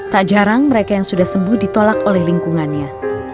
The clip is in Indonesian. tak jarang mereka yang sudah sembuh ditolak oleh lingkungannya